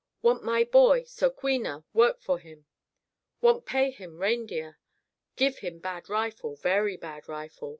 Want my boy, So queena, work for him. Want pay him reindeer. Give him bad rifle, very bad rifle.